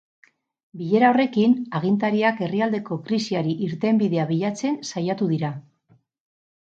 Bilera horrekin, agintariak herrialdeko krisiari irtenbidea bilatzen saiatu dira.